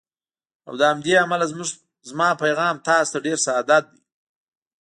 او له همدې امله زما پیغام تاسو ته ډېر ساده دی: